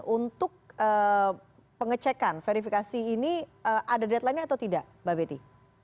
untuk pengecekan verifikasi ini ada deadline nya atau tidak mbak betty